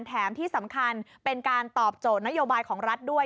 แถมที่สำคัญเป็นการตอบโจทย์นโยบายของรัฐด้วย